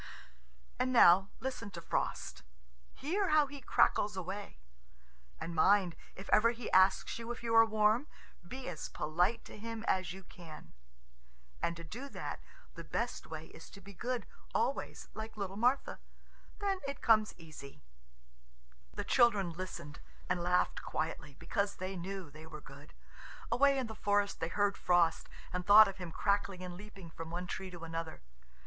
And now, listen to Frost. Hear how he crackles away! And mind, if ever he asks you if you are warm, be as polite to him as you can. And to do that, the best way is to be good always, like little Martha. Then it comes easy. The children listened, and laughed quietly, because they knew they were good. Away in the forest they heard Frost, and thought of him crackling and leaping from one tree to another.